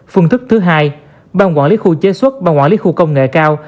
phương thức thứ hai bàn quản lý khu chế xuất bàn quản lý khu công nghệ cao